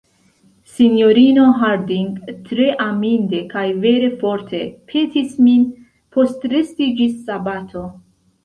Sinjorino Harding tre aminde kaj vere forte petis min postresti ĝis sabato.